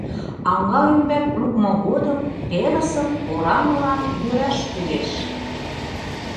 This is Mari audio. Аҥа ӱмбак лукмо годым терысым оран-оран йӧраш кӱлеш.